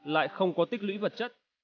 lại không có tích lũy vật chất